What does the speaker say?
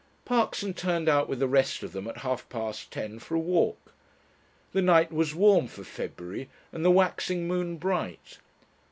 Parkson turned out with the rest of them at half past ten, for a walk. The night was warm for February and the waxing moon bright.